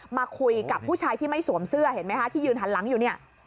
มาคุยกับผู้ชายที่ไม่สวมเสื้อเห็นไหมคะที่ยืนหันหลังอยู่เนี่ย